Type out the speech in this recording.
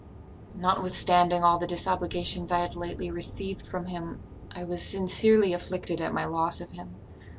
"Notwithstanding all the disobligations I had lately received from him, I was sincerely afflicted at my loss of him.